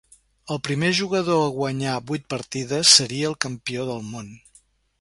El primer jugador a guanyar vuit partides seria el campió del món.